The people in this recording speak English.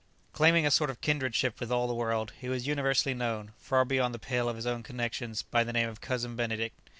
Claiming a sort of kindredship with all the world, he was universally known, far beyond the pale of his own connexions, by the name of "Cousin Benedict."